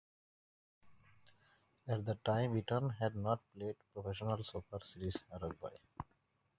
At the time, Eaton had not played professional super series rugby.